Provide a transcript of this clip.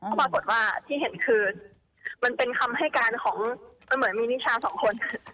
ก็ปรากฏว่าที่เห็นคือมันเป็นคำให้การของมันเหมือนมีนิชาสองคน